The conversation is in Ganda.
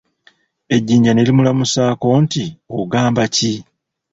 Ejinja ne limulamusaako nti, ogamba ki?